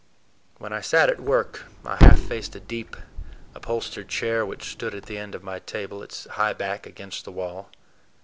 When I sat at work I half faced a deep, upholstered chair which stood at the end of my table, its high back against the wall.